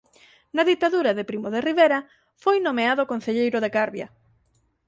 Na ditadura de Primo de Rivera foi nomeado concelleiro de Carbia.